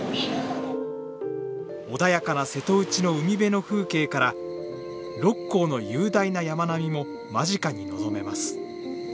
穏やかな瀬戸内の海辺の風景から六甲の雄大な山並みも間近に望めます。